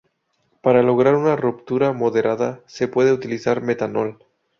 Para lograr una ruptura moderada se puede utilizar metanol.